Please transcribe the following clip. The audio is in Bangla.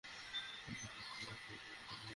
দেখুন, সেখানে আপনি নিরাপদে থাকবেন এবং যত্ন নেওয়া হবে।